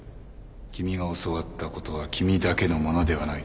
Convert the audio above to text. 君が教わったことは君だけのものではない。